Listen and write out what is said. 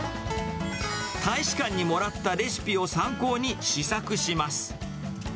大使館にもらったレシピを参考に試作します。